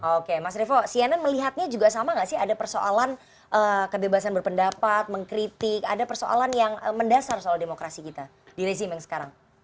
oke mas revo cnn melihatnya juga sama nggak sih ada persoalan kebebasan berpendapat mengkritik ada persoalan yang mendasar soal demokrasi kita di rezim yang sekarang